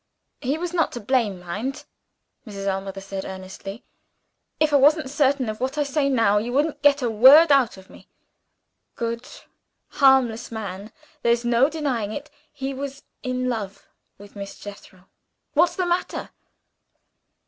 "He was not to blame mind that!" Mrs. Ellmother said earnestly. "If I wasn't certain of what I say now you wouldn't get a word out of me. Good harmless man there's no denying it he was in love with Miss Jethro! What's the matter?"